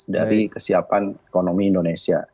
dari kesiapan ekonomi indonesia